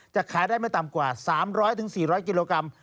จะขายได้ไม่ต่ำกว่า๓๐๐๔๐๐กิโลกรัม